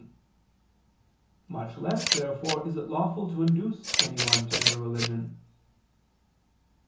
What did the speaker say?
Caenob. iv, 3). Much less therefore is it lawful to induce anyone to enter religion.